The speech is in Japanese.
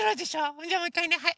ほんじゃもういっかいねはい。